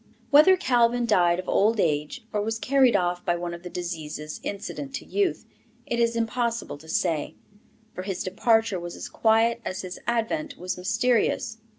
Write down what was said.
Whether Calvin died of old age, or was carried off by one of the diseases incident to youth, it is impossible to say; for his departure was as quiet as his advent was mysterious.